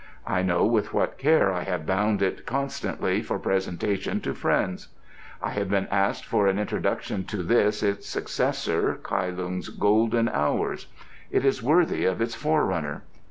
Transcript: I know with what care I have bound it constantly for presentation to friends. I have been asked for an introduction to this its successor, Kai LungŌĆÖs Golden Hours. It is worthy of its forerunner.